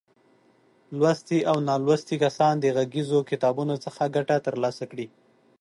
لوستي او نالوستي کسان د غږیزو کتابونو څخه ګټه تر لاسه کړي.